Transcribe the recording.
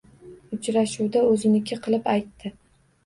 Uchrashuvda o‘ziniki qilib aytdi.